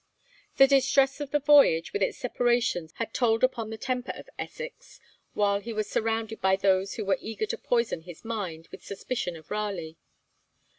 The distress of the voyage and its separations had told upon the temper of Essex, while he was surrounded by those who were eager to poison his mind with suspicion of Raleigh.